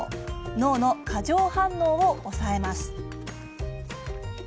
脳の過剰反応を抑えます。